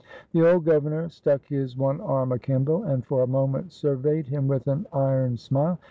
The old governor stuck his one arm akimbo, and for a moment surveyed him with an iron smile.